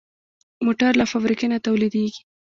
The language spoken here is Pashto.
موټر له فابریکې نه تولیدېږي.